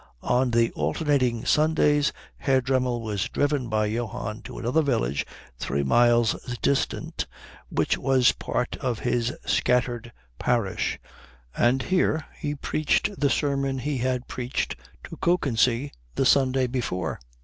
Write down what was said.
On the alternating Sundays Herr Dremmel was driven by Johann to another village three miles distant which was part of his scattered parish, and here he preached the sermon he had preached to Kökensee the Sunday before.